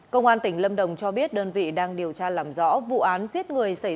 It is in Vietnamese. công an tỉnh lâm đồng cho biết đơn vị đang điều tra làm rõ vụ án giết người